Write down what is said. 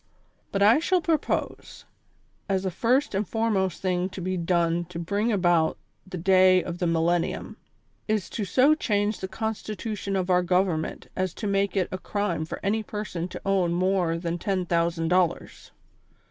But I shall propose, as the first and foremost thing to be done to bring about the day of the Millennium, is to so change the Constitution of our Government as to make it a crime for any person to own more than ten thousand dollars.